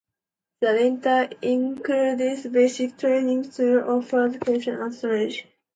The latter includes basic training through officer candidate school and staff college.